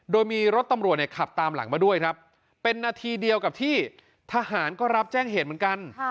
โดยมีรถตำรวจเนี่ยขับตามหลังมาด้วยครับเป็นนาทีเดียวกับที่ทหารก็รับแจ้งเหตุเหมือนกัน